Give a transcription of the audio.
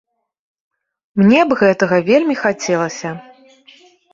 Мне б гэтага вельмі хацелася.